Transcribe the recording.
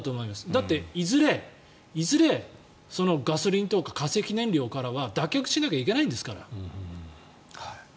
だって、いずれガソリンとか化石燃料からは脱却しないといけないんですから。